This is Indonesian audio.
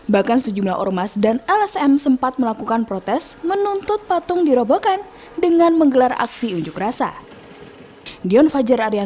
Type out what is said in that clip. bahkan sejumlah ormas dan lsm sempat melakukan protes menuntut patung dirobohkan dengan menggelar aksi unjuk rasa